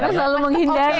karena selalu menghindari